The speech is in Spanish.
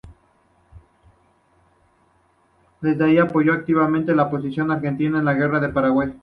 Desde allí apoyó activamente la posición argentina en la guerra del Paraguay.